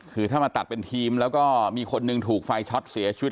คือถ้ามาตัดเป็นทีมแล้วก็มีคนหนึ่งถูกไฟช็อตเสียชีวิต